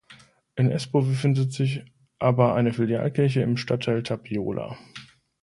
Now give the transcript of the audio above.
In Espoo befindet sich aber eine Filialkirche im Stadtteil Tapiola.